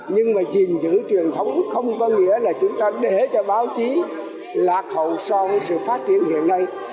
nhưng mà gìn giữ truyền thống không có nghĩa là chúng ta để cho báo chí lạc hậu so với sự phát triển hiện nay